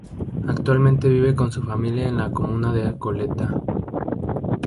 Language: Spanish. Actualmente vive con su familia en la comuna de Recoleta.